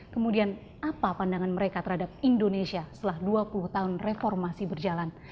kemudian apa pandangan mereka terhadap indonesia setelah dua puluh tahun reformasi berjalan